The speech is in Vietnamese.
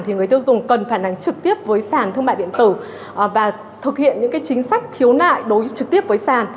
chúng tôi cần phản ánh trực tiếp với sàn thương mại điện tử và thực hiện những cái chính sách khiếu nại đối trực tiếp với sàn